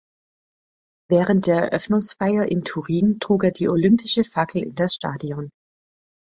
Während der Eröffnungsfeier in Turin trug er die olympische Fackel in das Stadion.